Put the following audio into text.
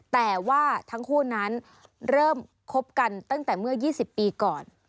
แต่ว่าทั้งคู่นั้นเริ่มคบกันตั้งแต่เมื่อ๒๐ปีก่อน